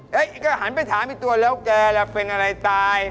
อีกก็หันไปถามอีกตัวแล้วแกล่ะเป็นอะไรตาย